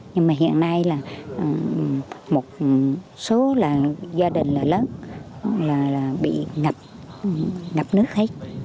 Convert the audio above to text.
nhưng mà hiện nay là một số gia đình lớn bị ngập nước hết